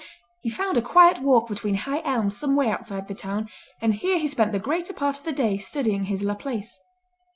He found a quiet walk between high elms some way outside the town, and here he spent the greater part of the day studying his Laplace.